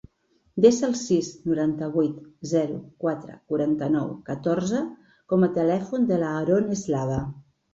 Desa el sis, noranta-vuit, zero, quatre, quaranta-nou, catorze com a telèfon de l'Aaron Eslava.